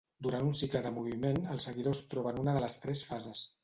Durant un cicle de moviment el seguidor es troba en una de tres fases.